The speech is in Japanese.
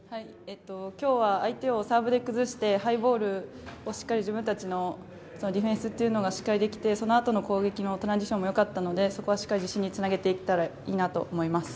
今日は相手をサーブで崩してハイボール、自分たちのディフェンスというのがしっかりできてそのあとの攻撃のトランジションもよかったので、そこはしっかり自信につなげられていけたらいいなと思います。